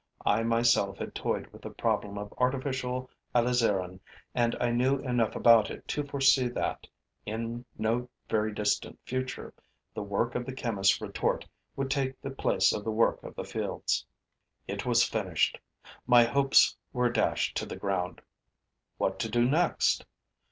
I myself had toyed with the problem of artificial alizarin and I knew enough about it to foresee that, in no very distant future, the work of the chemist's retort would take the place of the work of the fields. It was finished; my hopes were dashed to the ground. What to do next?